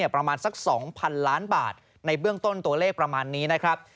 ประมาณสัก๒๐๐๐ล้านบาทในเบื้องต้นตัวเลขประมาณนี้นะครับ